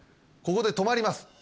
ここで止まります